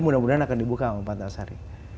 mudah mudahan akan dibuka pak antasari